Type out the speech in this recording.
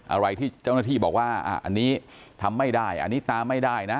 อะไรที่เจ้าหน้าที่บอกว่าอันนี้ทำไม่ได้อันนี้ตามไม่ได้นะ